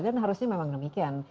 dan harusnya memang demikian